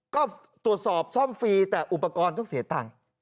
ก็ตรวจสอบซ่อมฟรีแต่อุปกรณ์ต้องเสียตังค์